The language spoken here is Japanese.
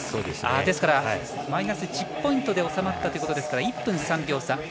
ですからマイナス１０ポイントで収まったということですから１分３秒差。